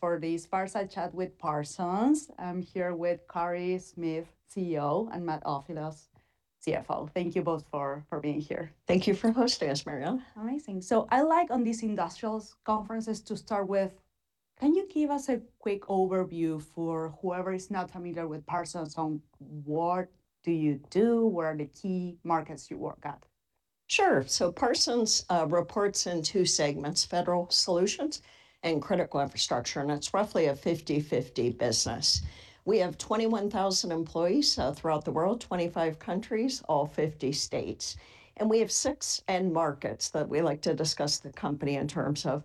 For this Fireside Chat with Parsons, I'm here with Carey Smith, CEO, and Matt Ofilos, CFO. Thank you both for being here. Thank you for hosting us, Mariana. Amazing. I like on these industrials conferences to start with, can you give us a quick overview for whoever is not familiar with Parsons on what do you do? Where are the key markets you work at? Sure. Parsons reports in two segments, federal solutions and critical infrastructure, and it's roughly a 50/50 business. We have 21,000 employees throughout the world, 25 countries, all 50 states, and we have six end markets that we like to discuss the company in terms of.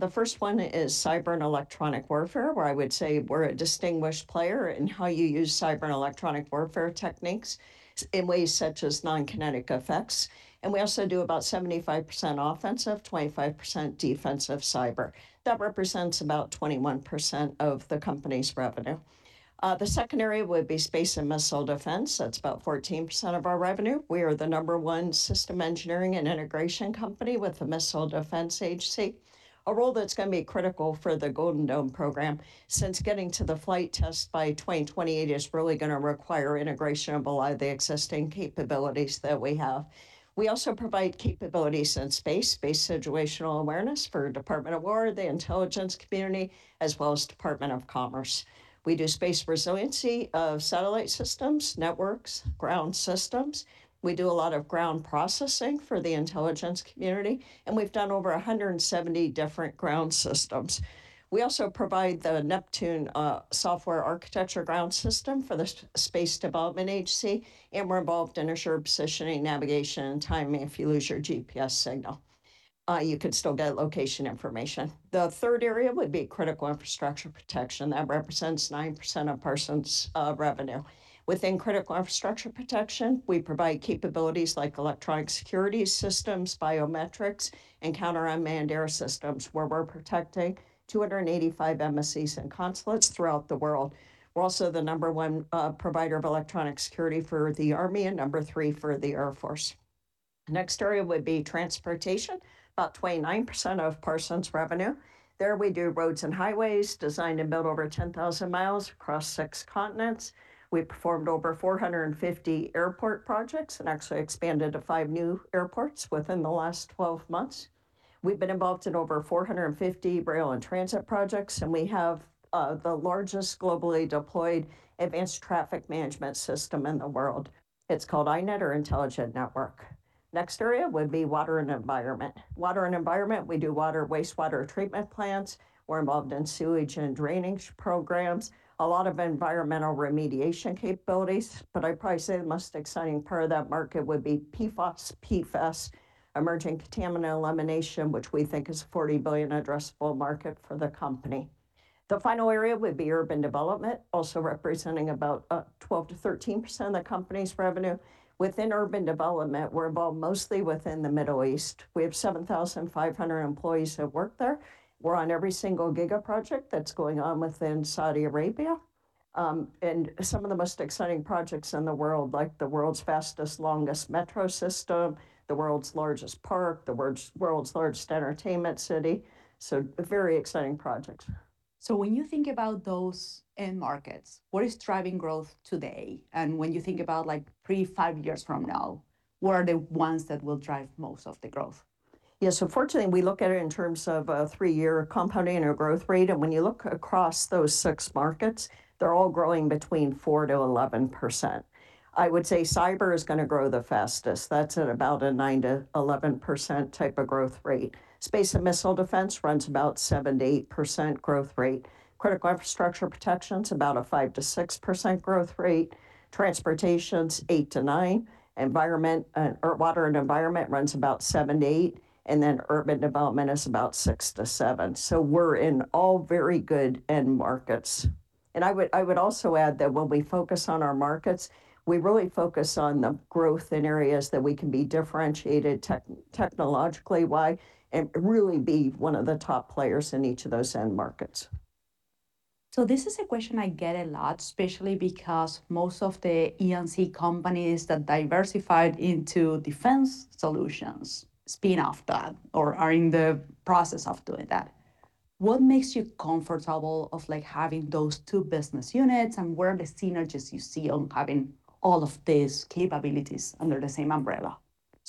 The first one is cyber and electronic warfare, where I would say we're a distinguished player in how you use cyber and electronic warfare techniques in ways such as non-kinetic effects. We also do about 75% offensive, 25% defensive cyber. That represents about 21% of the company's revenue. The second area would be space and missile defense. That's about 14% of our revenue. We are the number one system engineering and integration company with the Missile Defense Agency, a role that's gonna be critical for the Golden Dome program since getting to the flight test by 2028 is really gonna require integration of a lot of the existing capabilities that we have. We also provide capabilities in space situational awareness for Department of War, the Intelligence Community, as well as Department of Commerce. We do space resiliency of satellite systems, networks, ground systems. We do a lot of ground processing for the Intelligence Community, and we've done over 170 different ground systems. We also provide the Neptune software architecture ground system for the Space Development Agency, and we're involved in assured positioning, navigation and timing if you lose your GPS signal. You could still get location information. The third area would be critical infrastructure protection. That represents 9% of Parsons' revenue. Within critical infrastructure protection, we provide capabilities like electronic security systems, biometrics, and counter-unmanned air systems, where we're protecting 285 embassies and consulates throughout the world. We're also the number one provider of electronic security for the Army, and number three for the Air Force. The next area would be transportation, about 29% of Parsons' revenue. There we do roads and highways, designed and built over 10,000 mi across six continents. We performed over 450 airport projects, and actually expanded to five new airports within the last 12 months. We've been involved in over 450 rail and transit projects, and we have the largest globally deployed advanced traffic management system in the world. It's called iNET, or intelligent network. Next area would be water and environment. Water and environment, we do water, wastewater treatment plants. We're involved in sewage and drainage programs. A lot of environmental remediation capabilities, but I'd probably say the most exciting part of that market would be PFOS, PFAS, emerging contaminant elimination, which we think is a $40 billion addressable market for the company. The final area would be urban development, also representing about 12%-13% of the company's revenue. Within urban development, we're involved mostly within the Middle East. We have 7,500 employees that work there. We're on every single giga project that's going on within Saudi Arabia, and some of the most exciting projects in the world, like the world's fastest, longest metro system, the world's largest park, the world's largest entertainment city, so very exciting projects. When you think about those end markets, what is driving growth today? When you think about, like, three, five years from now, what are the ones that will drive most of the growth? Fortunately, we look at it in terms of a three-year compounding or growth rate, and when you look across those six markets, they are all growing between 4%-11%. I would say cyber is going to grow the fastest. That's at about a 9%-11% type of growth rate. Space and missile defense runs about 7%-8% critical infrastructure protection is about a 5%-6% growth rate. Transportation is 8%-9%. water and environment runs about 7%-8%, urban development is about 6%-7%. We are in all very good end markets. I would also add that when we focus on our markets, we really focus on the growth in areas that we can be differentiated technologically wide and really be one of the top players in each of those end markets. This is a question I get a lot, especially because most of the E&C companies that diversified into defense solutions spin-off that or are in the process of doing that. What makes you comfortable of, like, having those two business units, and where are the synergies you see on having all of these capabilities under the same umbrella?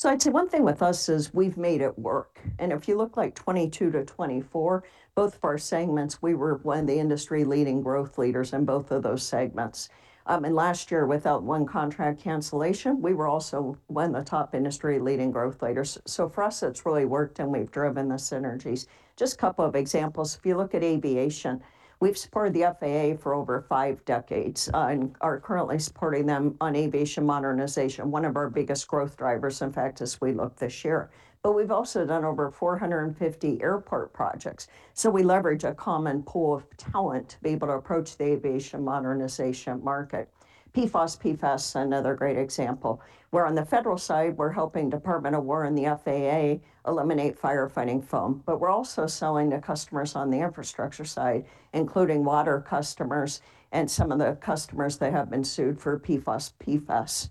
I'd say one thing with us is we've made it work, and if you look, like, 2022-2024, both of our segments, we were one of the industry-leading growth leaders in both of those segments. Last year, without one contract cancellation, we were also one of the top industry-leading growth leaders. For us, it's really worked, and we've driven the synergies. Just a couple of examples. If you look at aviation, we've supported the FAA for over five decades, and are currently supporting them on aviation modernization, one of our biggest growth drivers, in fact, as we look this year. We've also done over 450 airport projects, so we leverage a common pool of talent to be able to approach the aviation modernization market. PFOS, PFAS, another great example, where on the federal side, we're helping Department of War and the FAA eliminate firefighting foam. We're also selling to customers on the infrastructure side, including water customers and some of the customers that have been sued for PFOS, PFAS.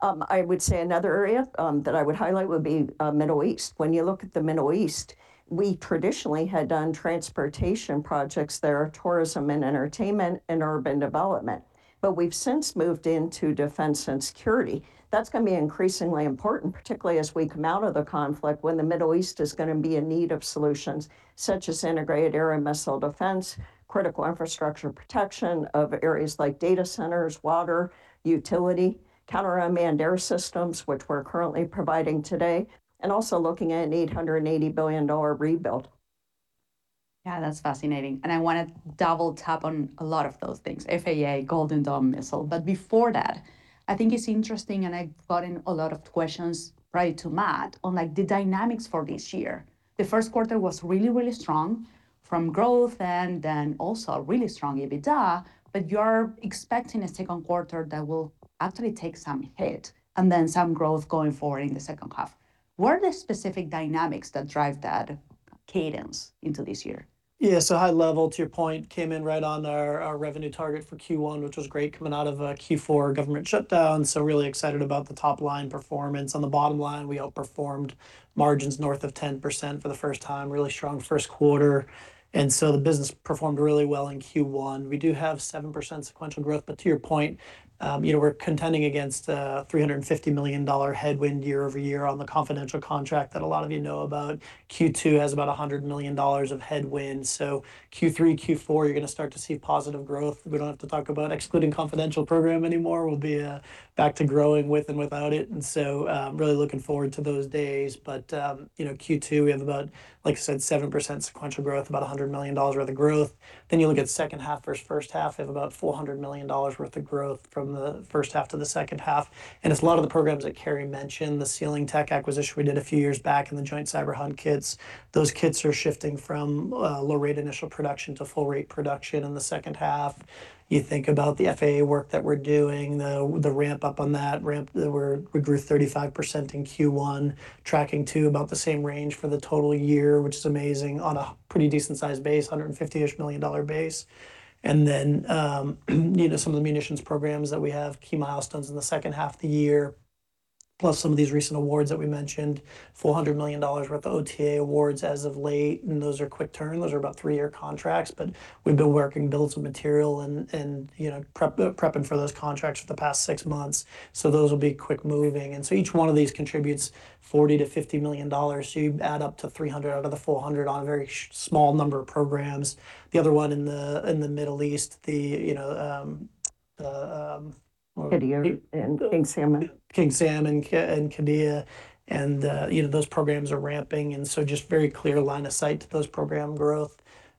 I would say another area that I would highlight would be Middle East. When you look at the Middle East, we traditionally had done transportation projects there, tourism and entertainment, and urban development. We've since moved into defense and security. That's going to be increasingly important, particularly as we come out of the conflict when the Middle East is going to be in need of solutions such as integrated air and critical infrastructure protection of areas like data centers, water, utility, counter unmanned air systems, which we're currently providing today, and also looking at an $880 billion rebuild. Yeah, that's fascinating, and I wanna double tap on a lot of those things. FAA, Golden Dome missile. Before that, I think it's interesting, and I've gotten a lot of questions prior to Matt on, like, the dynamics for this year. The first quarter was really strong from growth and then also a really strong EBITDA, but you're expecting a second quarter that will actually take some hit and then some growth going forward in the second half. What are the specific dynamics that drive that cadence into this year? Yeah. High level, to your point, came in right on our revenue target for Q1, which was great coming out of a Q4 government shutdown. Really excited about the top-line performance. On the bottom line, we outperformed margins north of 10% for the first time. Really strong first quarter. The business performed really well in Q1. We do have 7% sequential growth, but to your point, you know, we're contending against a $350 million headwind year-over-year on the confidential contract that a lot of you know about. Q2 has about $100 million of headwind. Q3, Q4, you're gonna start to see positive growth. We don't have to talk about excluding confidential program anymore. We'll be back to growing with and without it. Really looking forward to those days. You know, Q2, we have about, like I said, 7% sequential growth, about $100 million worth of growth. You look at second half versus first half, we have about $400 million worth of growth from the first half to the second half. It's a lot of the programs that Carey mentioned, the SealingTech acquisition we did a few years back and the Joint Cyber Hunt Kits. Those kits are shifting from low rate initial production to full rate production in the second half. You think about the FAA work that we're doing, the ramp-up on that. We grew 35% in Q1, tracking to about the same range for the total year, which is amazing on a pretty decent sized base, $150 million-ish base. Then, you know, some of the munitions programs that we have key milestones in the second half of the year, plus some of these recent awards that we mentioned, $400 million worth of OTA awards as of late. Those are quick turn. Those are about three-year contracts, but we've been working to build some material and, you know, prepping for those contracts for the past six months. Those will be quick moving. Each one of these contributes $40 million-$50 million. You add up to $300 million out of the $400 million on a very small number of programs. The other one in the, in the Middle East, the, you know, the. Qiddiya and King Salman. King Salman and Qiddiya, you know, those programs are ramping, and so just very clear line of sight to those program growth.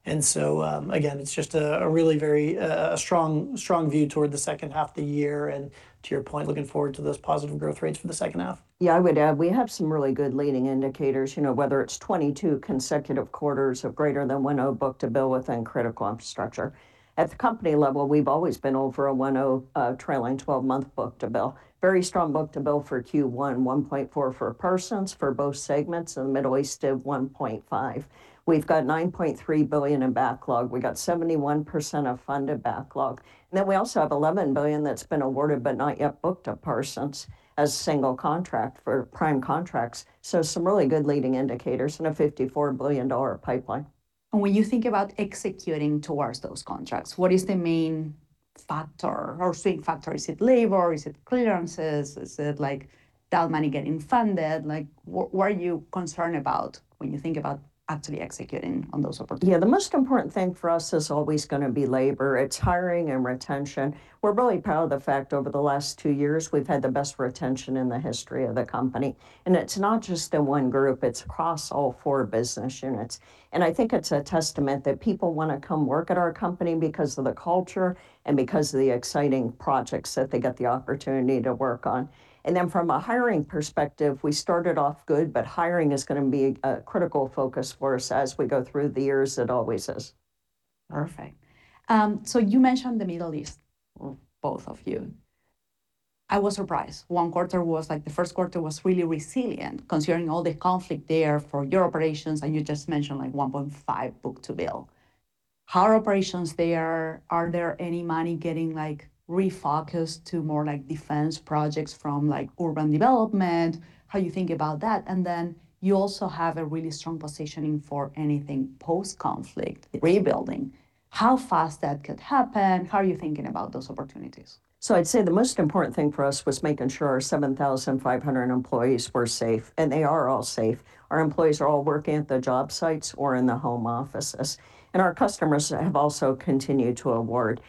Again, it's just a really very strong view toward the second half of the year, and to your point, looking forward to those positive growth rates for the second half. Yeah, I would add, we have some really good leading indicators, you know, whether it's 22 consecutive quarters of greater than 1.0x book-to-bill within critical infrastructure. At the company level, we've always been over a 1.0x trailing 12-month book-to-bill. Very strong book-to-bill for Q1, 1.4x for Parsons for both segments. In the Middle East, it is 1.5x. We've got $9.3 billion in backlog. We got 71% of funded backlog. We also have $11 billion that's been awarded but not yet booked at Parsons as single contract for prime contracts. Some really good leading indicators in a $54 billion pipeline. When you think about executing towards those contracts, what is the main factor or swing factor? Is it labor? Is it clearances? Is it, like, that money getting funded? Like, what are you concerned about when you think about actually executing on those opportunities? Yeah. The most important thing for us is always gonna be labor. It's hiring and retention. We're really proud of the fact over the last two years we've had the best retention in the history of the company, and it's not just the one group, it's across all four business units. I think it's a testament that people wanna come work at our company because of the culture and because of the exciting projects that they get the opportunity to work on. From a hiring perspective, we started off good, but hiring is gonna be a critical focus for us as we go through the years. It always is. Perfect. You mentioned the Middle East, or both of you. I was surprised. The first quarter was really resilient considering all the conflict there for your operations, and you just mentioned 1.5x book-to-bill. How are operations there? Are there any money getting refocused to more defense projects from urban development? How you think about that? You also have a really strong positioning for anything post-conflict rebuilding? How fast that could happen? How are you thinking about those opportunities? I'd say the most important thing for us was making sure our 7,500 employees were safe, and they are all safe. Our employees are all working at the job sites or in the home offices, and our customers have also continued to award,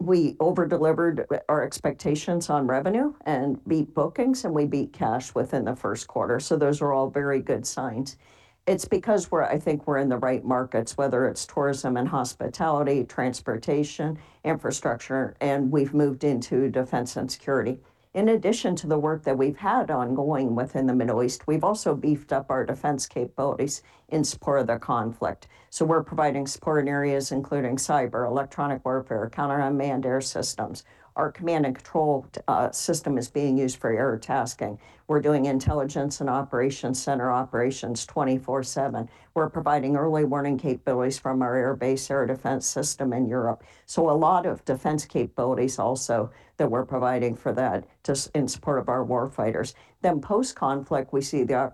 we over-delivered our expectations on revenue and beat bookings, and we beat cash within the first quarter, so those are all very good signs. It's because I think we're in the right markets, whether it's tourism and hospitality, transportation, infrastructure, and we've moved into defense and security. In addition to the work that we've had ongoing within the Middle East, we've also beefed up our defense capabilities in support of the conflict. We're providing support in areas including cyber, electronic warfare, counter unmanned air systems. Our command and control system is being used for air tasking. We're doing intelligence and operation center operations 24/7. We're providing early warning capabilities from our air base air defense system in Europe. A lot of defense capabilities also that we're providing for that just in support of our war fighters. Post-conflict, we see the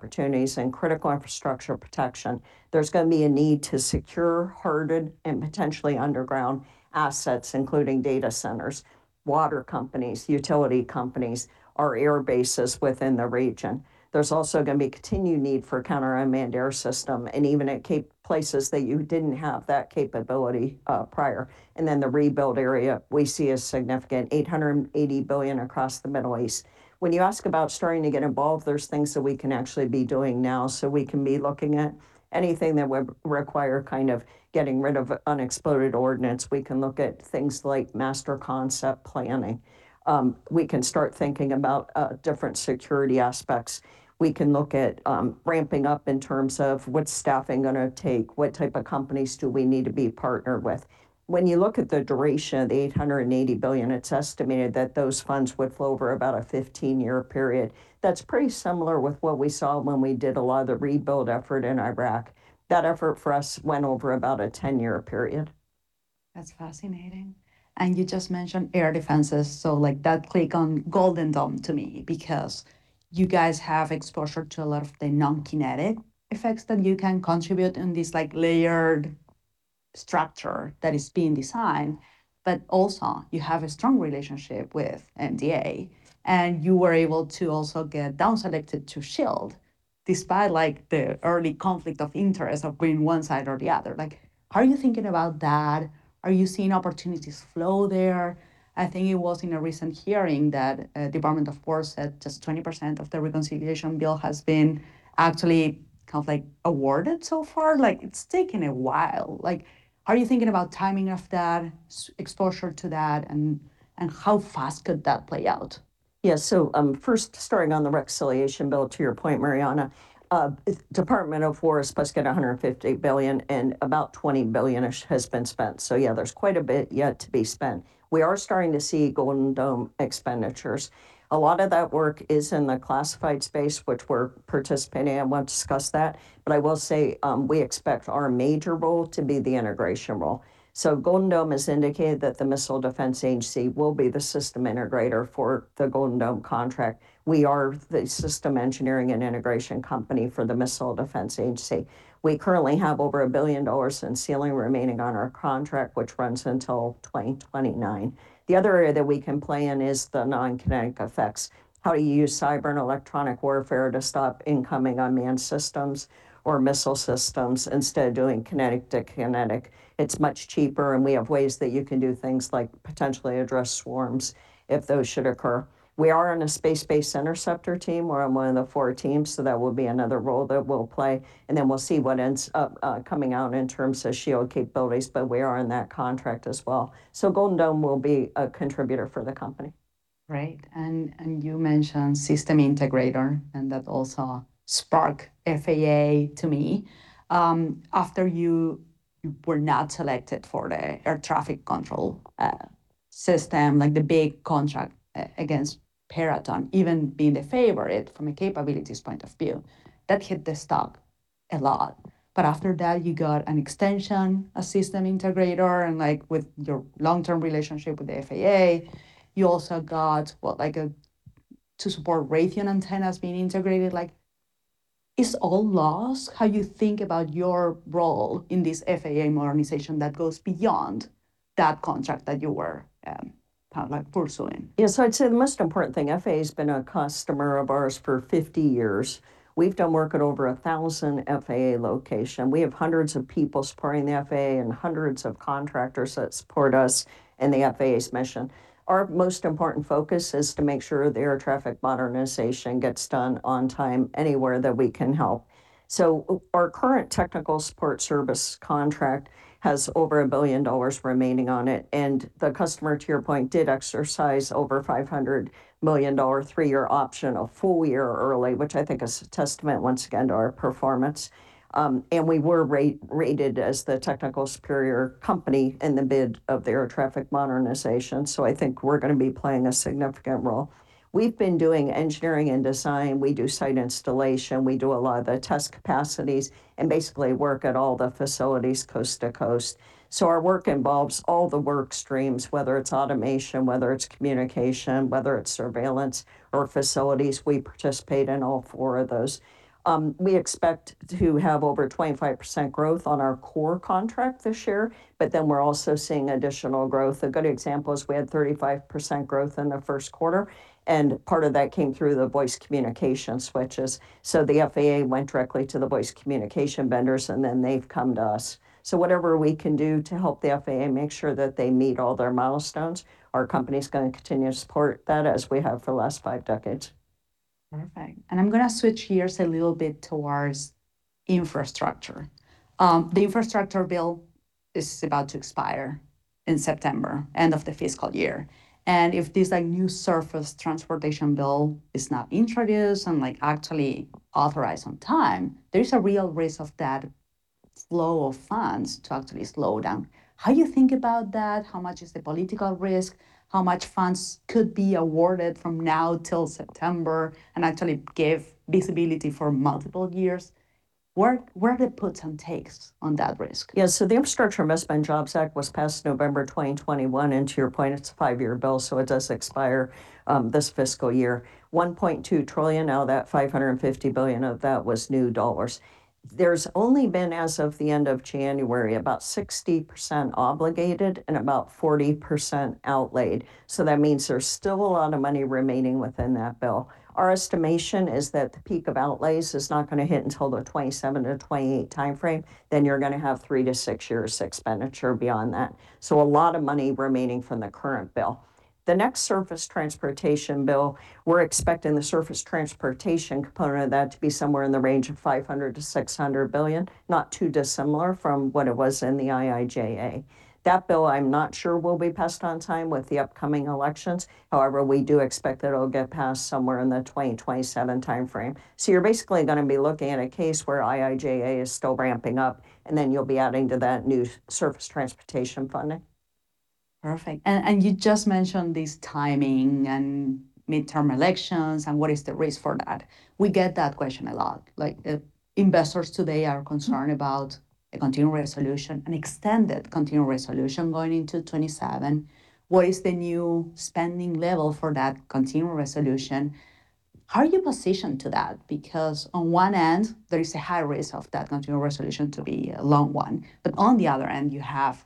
critical infrastructure protection. there's going to be a need to secure hardened and potentially underground assets, including data centers, water companies, utility companies, our air bases within the region. There's also going to be continued need for counter unmanned air system, and even at places that you didn't have that capability prior. The rebuild area, we see a significant $880 billion across the Middle East. When you ask about starting to get involved, there's things that we can actually be doing now, we can be looking at anything that would require kind of getting rid of unexploded ordnance. We can look at things like master concept planning. We can start thinking about different security aspects. We can look at ramping up in terms of what's staffing gonna take, what type of companies do we need to be partnered with. When you look at the duration of the $880 billion, it's estimated that those funds would flow over about a 15-year period. That's pretty similar with what we saw when we did a lot of the rebuild effort in Iraq. That effort for us went over about a 10-year period. That's fascinating. You just mentioned air defenses, so, like, that click on Golden Dome to me, because you guys have exposure to a lot of the non-kinetic effects that you can contribute in this, like, layered structure that is being designed. Also, you have a strong relationship with MDA, and you were able to also get down selected to SHIELD despite, like, the early conflict of interest of going one side or the other. Are you thinking about that? Are you seeing opportunities flow there? I think it was in a recent hearing that Department of War said just 20% of the reconciliation bill has been actually kind of, like, awarded so far. It's taken a while. Are you thinking about timing of that, exposure to that, and how fast could that play out? Yeah. First starting on the reconciliation bill, to your point, Mariana, Department of War is supposed to get $158 billion, and about $20 billion-ish has been spent, yeah, there's quite a bit yet to be spent. We are starting to see Golden Dome expenditures. A lot of that work is in the classified space, which we're participating in. I won't discuss that, I will say, we expect our major role to be the integration role. Golden Dome has indicated that the Missile Defense Agency will be the system integrator for the Golden Dome contract. We are the system engineering and integration company for the Missile Defense Agency. We currently have over $1 billion in ceiling remaining on our contract, which runs until 2029. The other area that we can play in is the non-kinetic effects. How do you use cyber and electronic warfare to stop incoming unmanned systems or missile systems instead of doing kinetic to kinetic? It's much cheaper, and we have ways that you can do things like potentially address swarms if those should occur. We are in a space-based interceptor team. We're on one of the four teams, that will be another role that we'll play, and then we'll see what ends up coming out in terms of SHIELD capabilities, but we are in that contract as well. Golden Dome will be a contributor for the company. Right. You mentioned system integrator, and that also spark FAA to me. After you were not selected for the air traffic control system, like the big contract against Peraton, even being the favorite from a capabilities point of view, that hit the stock a lot. After that, you got an extension, a system integrator, and, like, with your long-term relationship with the FAA, you also got what to support Raytheon antennas being integrated. Like, is all lost how you think about your role in this FAA modernization that goes beyond that contract that you were kind of like pursuing? I'd say the most important thing, FAA has been a customer of ours for 50 years. We've done work at over 1,000 FAA location. We have hundreds of people supporting the FAA and hundreds of contractors that support us in the FAA's mission. Our most important focus is to make sure the air traffic modernization gets done on time anywhere that we can help. Our current technical support service contract has over $1 billion remaining on it, and the customer, to your point, did exercise over $500 million three-year option a full year early, which I think is a testament once again to our performance. We were rate-rated as the technical superior company in the bid of the air traffic modernization, I think we're gonna be playing a significant role. We've been doing engineering and design. We do site installation. We do a lot of the test capacities and basically work at all the facilities coast to coast. Our work involves all the work streams, whether it's automation, whether it's communication, whether it's surveillance or facilities. We expect to have over 25% growth on our core contract this year. We're also seeing additional growth. A good example is we had 35% growth in the first quarter, and part of that came through the voice communication switches. The FAA went directly to the voice communication vendors. They've come to us. Whatever we can do to help the FAA make sure that they meet all their milestones, our company's gonna continue to support that as we have for the last five decades. Perfect. I'm going to switch gears a little bit towards infrastructure. The infrastructure bill is about to expire in September, end of the fiscal year. If this new surface transportation bill is not introduced and actually authorized on time, there is a real risk of that flow of funds to actually slow down. How do you think about that? How much is the political risk? How much funds could be awarded from now until September and actually give visibility for multiple years? Where are the puts and takes on that risk? Yeah. The Infrastructure Investment and Jobs Act was passed November 2021, and to your point, it's a five-year bill, so it does expire this fiscal year. $1.2 trillion of that $550 billion of that was new dollars. There's only been, as of the end of January, about 60% obligated and about 40% outlaid, so that means there's still a lot of money remaining within that bill. Our estimation is that the peak of outlays is not gonna hit until the 2027-2028 timeframe, then you're gonna have three to six years expenditure beyond that. A lot of money remaining from the current bill. The next surface transportation bill, we're expecting the surface transportation component of that to be somewhere in the range of $500 billion-$600 billion, not too dissimilar from what it was in the IIJA. That bill, I'm not sure, will be passed on time with the upcoming elections. We do expect that it'll get passed somewhere in the 2027 timeframe. You're basically gonna be looking at a case where IIJA is still ramping up, and then you'll be adding to that new surface transportation funding. Perfect. You just mentioned this timing and midterm elections, what is the risk for that? We get that question a lot. Like, the investors today are concerned about a continuing resolution, an extended continuing resolution going into 2027. What is the new spending level for that continuing resolution? How are you positioned to that? On one end, there is a high risk of that continuing resolution to be a long one, on the other end, you have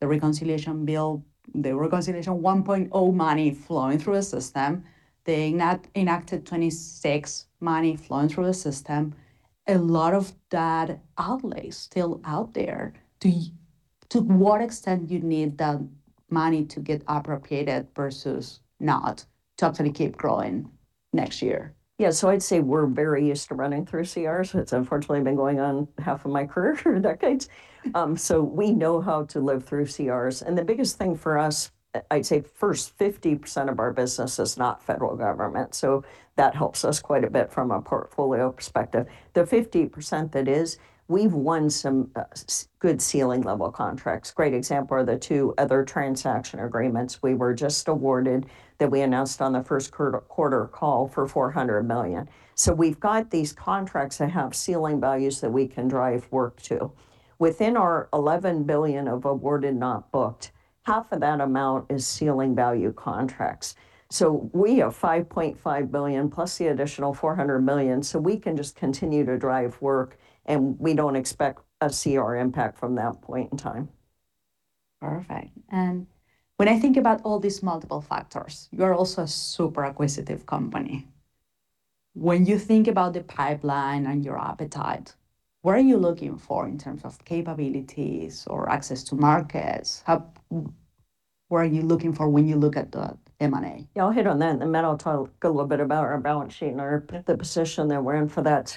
the reconciliation bill, the reconciliation 1.0x money flowing through the system, the enacted 2026 money flowing through the system. A lot of that outlay's still out there. To what extent do you need that money to get appropriated versus not to actually keep growing next year? Yeah. I'd say we're very used to running through CRs. It's unfortunately been going on half of my career for decades. We know how to live through CRs. The biggest thing for us, I'd say first 50% of our business is not federal government, that helps us quite a bit from a portfolio perspective. The 50% that is, we've won some good ceiling level contracts. Great example are the two other transaction agreements we were just awarded that we announced on the first quarter call for $400 million. We've got these contracts that have ceiling values that we can drive work to. Within our $11 billion of awarded not booked, half of that amount is ceiling value contracts. We have $5.5 billion plus the additional $400 million, so we can just continue to drive work, and we don't expect a CR impact from that point in time. Perfect. When I think about all these multiple factors, you're also a super acquisitive company. When you think about the pipeline and your appetite, what are you looking for in terms of capabilities or access to markets? What are you looking for when you look at the M&A? I'll hit on that, and then Matt will talk a little bit about our balance sheet and the position that we're in for that.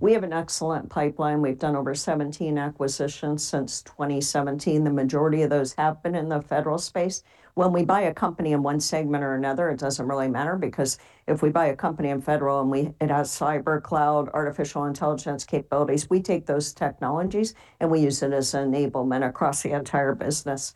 We have an excellent pipeline. We've done over 17 acquisitions since 2017. The majority of those have been in the federal solutions space. When we buy a company in one segment or another, it doesn't really matter because if we buy a company in federally and it has cyber, cloud, artificial intelligence capabilities, we take those technologies, and we use it as enablement across the entire business.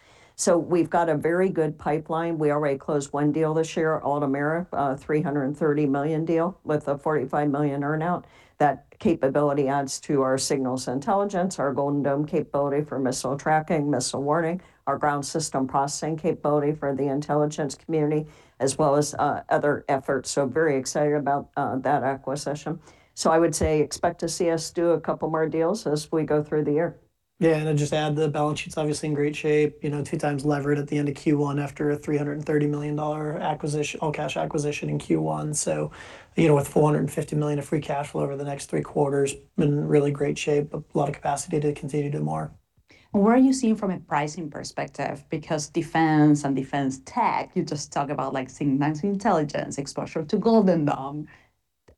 We've got a very good pipeline. We already closed one deal this year, Altamira, a $330 million deal with a $45 million earn-out. That capability adds to our signals intelligence, our Golden Dome capability for missile tracking, missile warning, our ground system processing capability for the Intelligence Community, as well as other efforts. Very excited about that acquisition. I would say expect to see us do a couple more deals as we go through the year. Yeah, I'd just add the balance sheet's obviously in great shape. You know, two times levered at the end of Q1 after a $330 million acquisition, all-cash acquisition in Q1. You know, with $450 million of free cash flow over the next three quarters, in really great shape. A lot of capacity to continue to do more. What are you seeing from a pricing perspective? Defense and defense tech, you just talk about, like, signals intelligence, exposure to Golden Dome.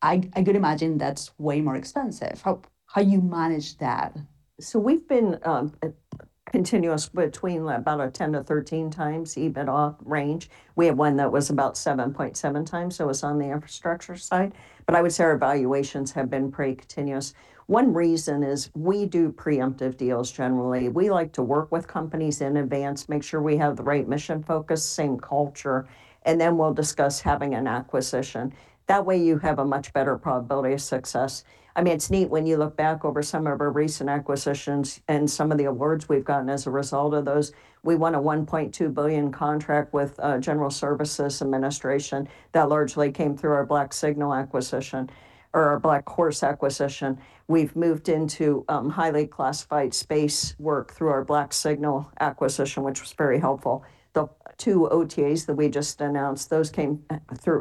I could imagine that's way more expensive. How you manage that? We've been continuous between about a 10x-13x EBITDA range. We have one that was about 7.7x, so it was on the infrastructure side. I would say our valuations have been pretty continuous. One reason is we do preemptive deals generally. We like to work with companies in advance, make sure we have the right mission focus, same culture, and then we'll discuss having an acquisition. That way you have a much better probability of success. I mean, it's neat when you look back over some of our recent acquisitions and some of the awards we've gotten as a result of those. We won a $1.2 billion contract with General Services Administration that largely came through our BlackSignal acquisition or our BlackHorse acquisition. We've moved into highly classified space work through our BlackSignal acquisition, which was very helpful. The two OTAs that we just announced, those came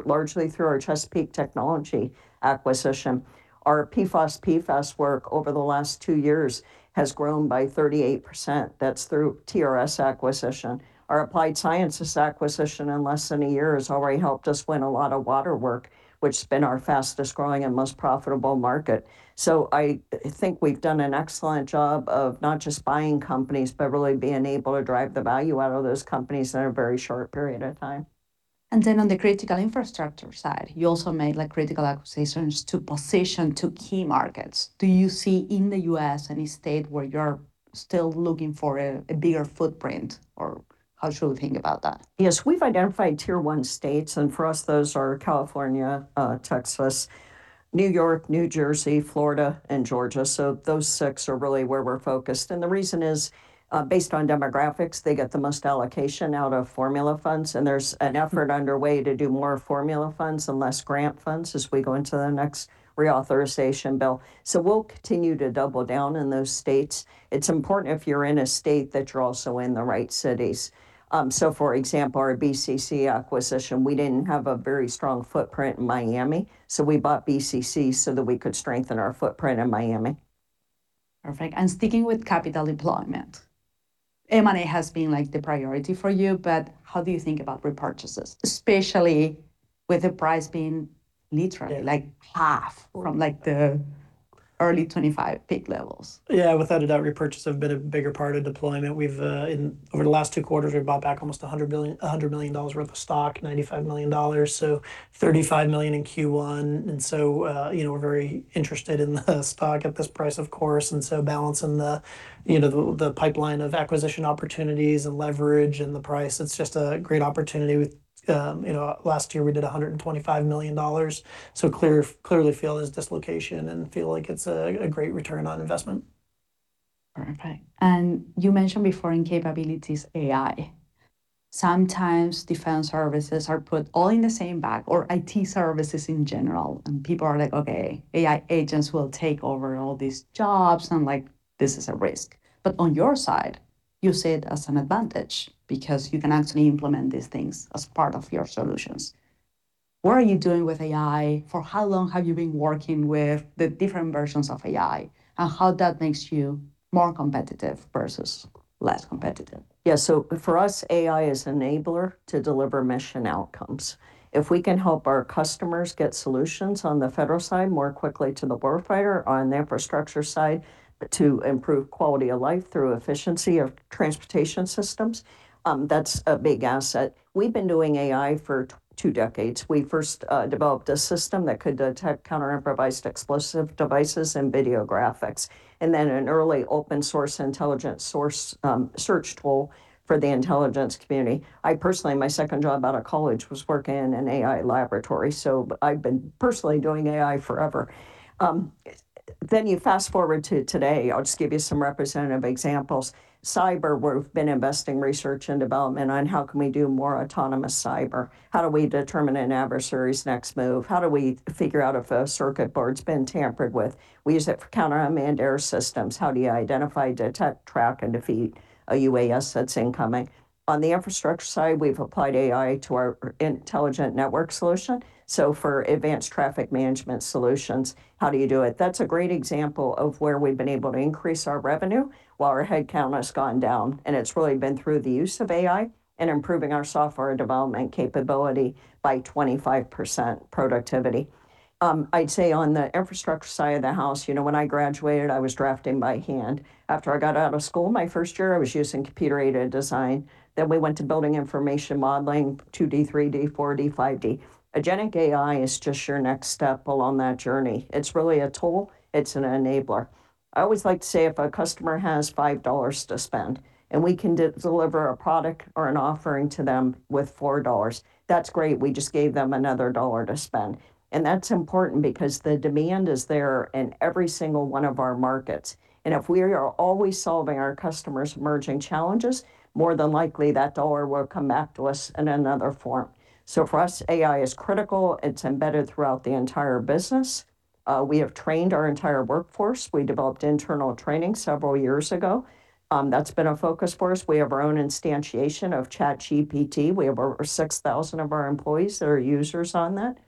largely through our Chesapeake Technology acquisition. Our PFAS work over the last two years has grown by 38%. That's through TRS acquisition. Our Applied Sciences acquisition in less than a year has already helped us win a lot of water work, which has been our fastest-growing and most profitable market. I think we've done an excellent job of not just buying companies, but really being able to drive the value out of those companies in a very short period of time. On the critical infrastructure side, you also made, like, critical acquisitions to position to key markets. Do you see in the U.S. any state where you're still looking for a bigger footprint, or how should we think about that? Yes. We've identified Tier 1 states, for us, those are California, Texas, New York, New Jersey, Florida, and Georgia. Those six are really where we're focused. The reason is, based on demographics, they get the most allocation out of formula funds, and there's an effort underway to do more formula funds and less grant funds as we go into the next reauthorization bill. We'll continue to double down in those states. It's important if you're in a state that you're also in the right cities. For example, our BCC acquisition, we didn't have a very strong footprint in Miami, so we bought BCC so that we could strengthen our footprint in Miami. Perfect. Sticking with capital deployment, M&A has been, like, the priority for you, but how do you think about repurchases, especially with the price being literally, like, half from, like, the early 2025 peak levels? Yeah, without a doubt, repurchases have been a bigger part of deployment. We've, over the last 2 quarters, we've bought back almost $100 million worth of stock, $95 million. $35 million in Q1. You know, we're very interested in the stock at this price, of course. Balancing the, you know, the pipeline of acquisition opportunities and leverage and the price, it's just a great opportunity. You know, last year, we did $125 million. Clearly feel there's dislocation and feel like it's a great return on investment. Perfect. You mentioned before in capabilities, AI. Sometimes defense services are put all in the same bag or IT services in general, and people are like, "Okay, AI agents will take over all these jobs," and, like, "This is a risk." On your side, you see it as an advantage because you can actually implement these things as part of your solutions. What are you doing with AI? For how long have you been working with the different versions of AI, and how that makes you more competitive versus less competitive? Yeah. For us, AI is enabler to deliver mission outcomes. If we can help our customers get solutions on the federal side more quickly to the war fighter on the infrastructure side to improve quality of life through efficiency of transportation systems, that's a big asset. We've been doing AI for two decades. We first developed a system that could detect counter improvised explosive devices and video graphics, and then an early open source intelligence source search tool for the Intelligence Community. I personally, my second job out of college was working in an AI laboratory, so I've been personally doing AI forever. You fast-forward to today. I'll just give you some representative examples. Cyber, we've been investing research and development on how can we do more autonomous cyber. How do we determine an adversary's next move? How do we figure out if a circuit board's been tampered with? We use it for counter unmanned air systems. How do you identify, detect, track, and defeat a UAS that's incoming? On the infrastructure side, we've applied AI to our intelligent network solution. For advanced traffic management solutions, how do you do it? That's a great example of where we've been able to increase our revenue while our head count has gone down, and it's really been through the use of AI and improving our software development capability by 25% productivity. I'd say on the infrastructure side of the house, you know, when I graduated, I was drafting by hand. After I got out of school, my first year, I was using computer-aided design. We went to building information modeling, 2D, 3D, 4D, 5D. Agentic AI is just your next step along that journey. It is really a tool. It is an enabler. I always like to say if a customer has $5 to spend, and we can de-deliver a product or an offering to them with $4, that is great. We just gave them another dollar to spend. That is important because the demand is there in every single one of our markets. If we are always solving our customers' emerging challenges, more than likely that dollar will come back to us in another form. For us, AI is critical. It is embedded throughout the entire business. We have trained our entire workforce. We developed internal training several years ago. That has been a focus for us. We have our own instantiation of ChatGPT. We have over 6,000 of our employees that are users on that.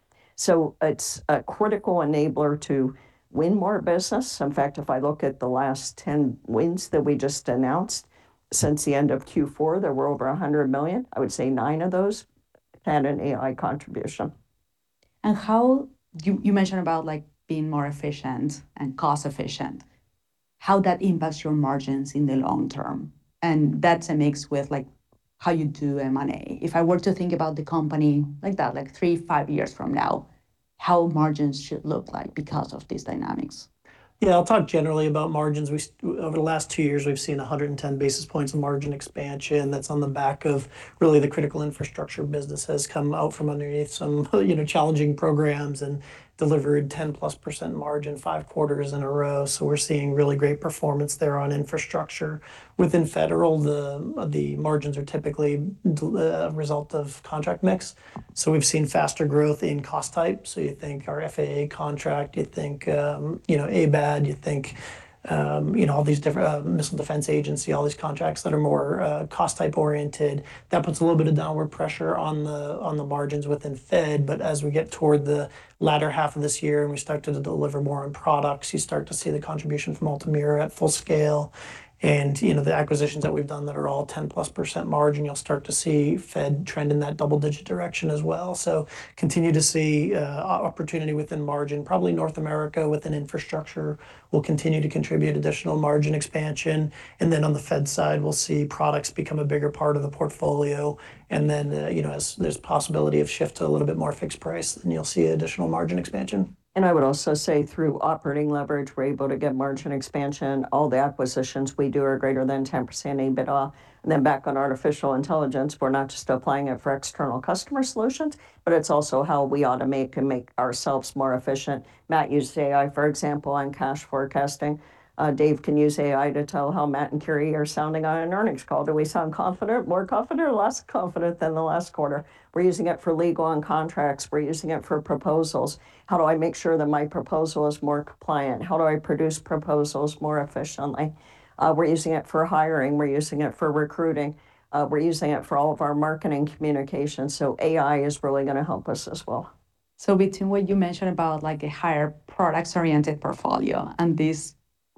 It is a critical enabler to win more business. In fact, if I look at the last 10 wins that we just announced since the end of Q4, there were over $100 million. I would say nine of those had an AI contribution. How you mentioned about being more efficient and cost efficient, how that impacts your margins in the long term, and that's a mix with how you do M&A. If I were to think about the company like that, three, five years from now, how margins should look like because of these dynamics. I'll talk generally about margins. Over the last two years we've seen 110 basis points in margin expansion. That's on the back of really the critical infrastructure business has come out from underneath some, you know, challenging programs and delivered 10%+ margin five quarters in a row. We're seeing really great performance there on Infrastructure. Within Federal, the margins are typically a result of contract mix. We've seen faster growth in cost type. You think our FAA contract, you think, you know, ABAD, you think, you know, all these different, Missile Defense Agency, all these contracts that are more cost type oriented. That puts a little bit of downward pressure on the margins within Fed. As we get toward the latter half of this year and we start to deliver more on products, you start to see the contribution from Altamira at full scale. You know, the acquisitions that we've done that are all 10%+ margin, you'll start to see Fed trend in that double-digit direction as well. Continue to see opportunity within margin. Probably North America within Infrastructure will continue to contribute additional margin expansion. Then on the Fed side, we'll see products become a bigger part of the portfolio. Then, you know, as there's possibility of shift to a little bit more fixed price, you'll see additional margin expansion. I would also say through operating leverage, we're able to get margin expansion. All the acquisitions we do are greater than 10% EBITDA. Back on artificial intelligence, we're not just applying it for external customer solutions, but it's also how we automate and make ourselves more efficient. Matt used AI, for example, on cash forecasting. Dave can use AI to tell how Matt and Carey are sounding on an earnings call. Do we sound confident, more confident or less confident than the last quarter? We're using it for legal and contracts. We're using it for proposals. How do I make sure that my proposal is more compliant? How do I produce proposals more efficiently? We're using it for hiring. We're using it for recruiting. We're using it for all of our marketing communications. AI is really gonna help us as well. Between what you mentioned about like a higher products oriented portfolio and this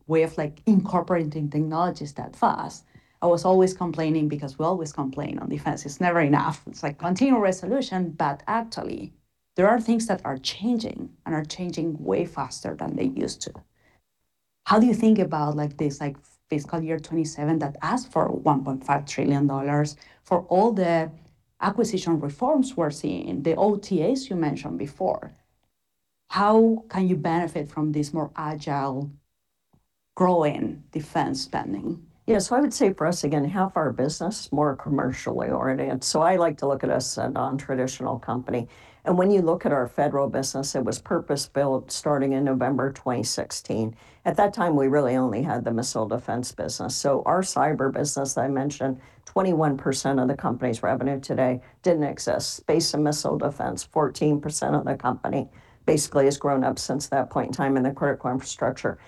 way of like incorporating technologies that fast, I was always complaining because we always complain on Defense, it's never enough. It's like continual resolution, actually there are things that are changing and are changing way faster than they used to. How do you think about like this like FY 2027 that asked for $1.5 trillion for all the acquisition reforms we're seeing, the OTAs you mentioned before? How can you benefit from this more agile growing Defense spending? I would say for us, again, half our business, more commercially oriented, so I like to look at us a nontraditional company. When you look at our federal business, it was purpose-built starting in November 2016. At that time, we really only had the Missile Defense business. Our cyber business, I mentioned, 21% of the company's revenue today didn't exist. Space and missile defense, 14% of the company basically has grown up since that point in time in the critical infrastructure.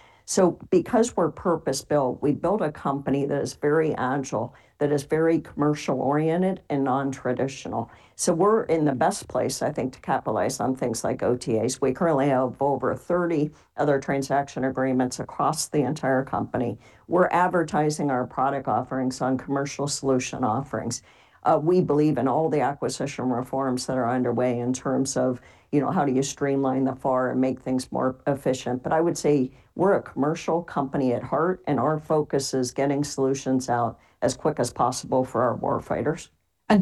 Because we're purpose-built, we built a company that is very agile, that is very commercial oriented and nontraditional. We're in the best place, I think, to capitalize on things like OTAs. We currently have over 30% other transaction agreements across the entire company. We're advertising our product offerings on commercial solutions offerings. We believe in all the acquisition reforms that are underway in terms of, you know, how do you streamline the FAR and make things more efficient. I would say we're a commercial company at heart, and our focus is getting solutions out as quick as possible for our war fighters.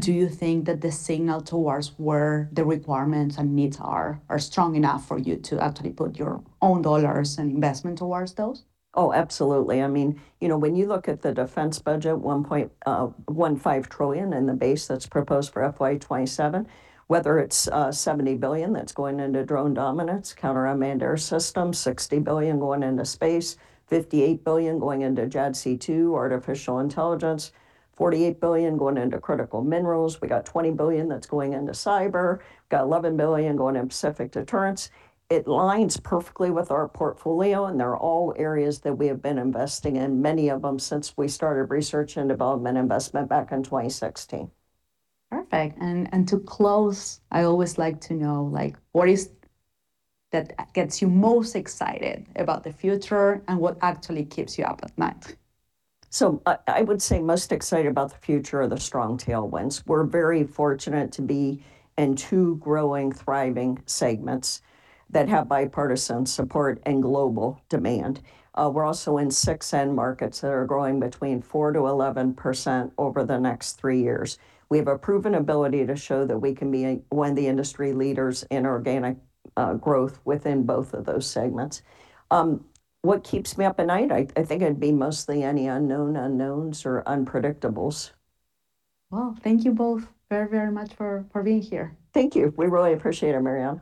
Do you think that the signal towards where the requirements and needs are strong enough for you to actually put your own dollars and investment towards those? Oh, absolutely. I mean, you know, when you look at the defense budget, $1.15 trillion in the base that's proposed for FY 2027, whether it's $70 billion that's going into drone dominance, counter unmanned air system, $60 billion going into space, $58 billion going into JADC2, artificial intelligence, $48 billion going into critical minerals. We got $20 billion that's going into cyber. Got $11 billion going into Pacific deterrence. It aligns perfectly with our portfolio, and they're all areas that we have been investing in, many of them since we started research and development investment back in 2016. Perfect. To close, I always like to know like what is that gets you most excited about the future and what actually keeps you up at night? I would say most excited about the future are the strong tailwinds. We're very fortunate to be in two growing, thriving segments that have bipartisan support and global demand. We're also in six end markets that are growing between 4%-11% over the next three years. We have a proven ability to show that we can be one of the industry leaders in organic growth within both of those segments. What keeps me up at night? I think it'd be mostly any unknown unknowns or unpredictables. Well, thank you both very, very much for being here. Thank you. We really appreciate it, Mariana.